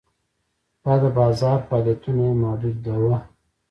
دا د بازار فعالیتونه یې محدوداوه.